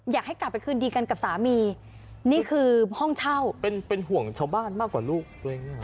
อยากให้กลับไปคืนดีกันกับสามีนี่คือห้องเช่าเป็นเป็นห่วงชาวบ้านมากกว่าลูกตัวเองหรอ